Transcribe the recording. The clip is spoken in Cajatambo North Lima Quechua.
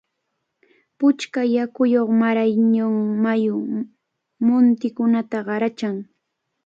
Puchka yakuyuq Marañón mayu muntikunata qarachan.